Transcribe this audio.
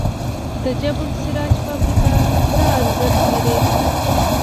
د جبل السراج فابریکه څه ارزښت لري؟